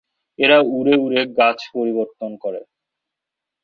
এরা উড়ে উড়ে গাছ পরিবর্তন করে।